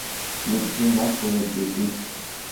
Лыбжьы нақәлыргеит уи.